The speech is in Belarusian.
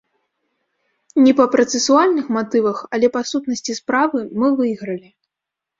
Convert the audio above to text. Не па працэсуальных матывах, але па сутнасці справы мы выйгралі.